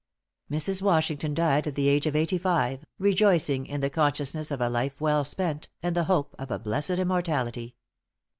Mrs. Washington died at the age of eighty five, rejoicing in the consciousness of a life well spent, and the hope of a blessed immortality.